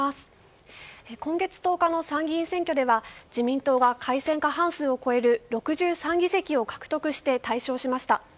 今月１０日の参議院選挙では自民党が改選過半数を超える６３議席を獲得して大勝しました。